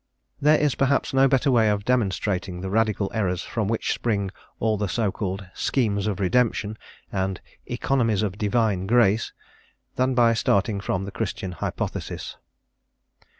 There is, perhaps, no better way of demonstrating the radical errors from which spring all the so called "schemes of redemption" and "economies of Divine grace" than by starting from the Christian hypothesis.